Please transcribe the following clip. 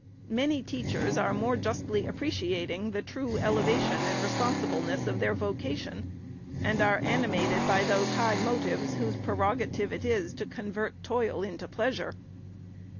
Many teachers are more justly appreciating the true elevation and responsibleness of their vocation ; and are animated by those high motives, whose preroga tive it is to convert toil into pleasure.